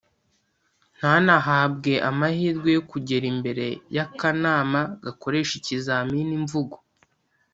ntanahabwe amahirwe yo kugera imbere y’akanama gakoresha ikizamini mvugo